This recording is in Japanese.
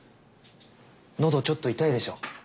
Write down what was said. のどちょっと痛いでしょう？